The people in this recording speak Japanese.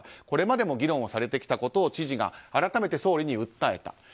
これまでも議論されてきたことを知事が改めて総理に訴えた。